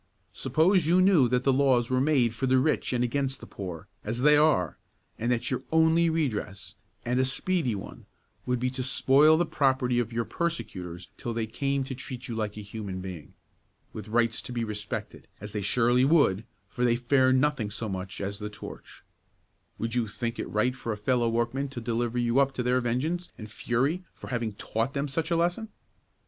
Suppose you knew that the laws were made for the rich and against the poor, as they are, and that your only redress, and a speedy one, would be to spoil the property of your persecutors till they came to treat you like a human being, with rights to be respected, as they surely would, for they fear nothing so much as the torch; would you think it right for a fellow workman to deliver you up to their vengeance and fury for having taught them such a lesson?"